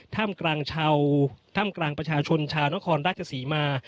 ถ้ำกลางชาวท่ามกลางประชาชนชาวนครราชศรีมา